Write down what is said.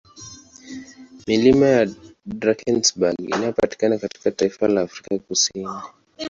Milima ya Drankesberg Inayopatikana katika taifa la Afrika Kusini